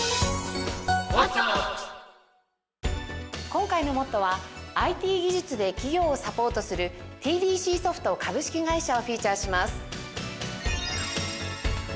今回の『ＭＯＴＴＯ！！』はＩＴ技術で企業をサポートするＴＤＣソフト株式会社をフィーチャーします。